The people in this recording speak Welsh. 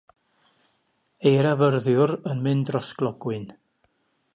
Eirafyrddiwr yn mynd dros glogwyn.